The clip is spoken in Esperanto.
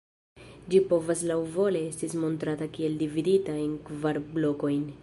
Ĝi povas laŭvole esti montrata kiel dividita en kvar blokojn.